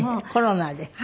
コロナで。